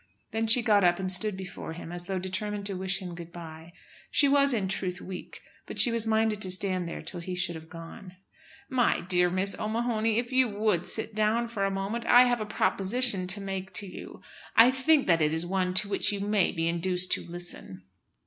Then she got up and stood before him, as though determined to wish him good bye. She was in truth weak, but she was minded to stand there till he should have gone. "My dear Miss O'Mahony, if you would sit down for a moment, I have a proposition to make to you. I think that it is one to which you may be induced to listen."